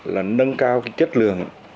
là nâng cao cái chất lượng